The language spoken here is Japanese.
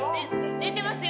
出てますよ。